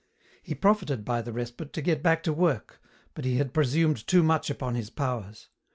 He profited by the respite to get back to work, but he had presumed too much upon his powers.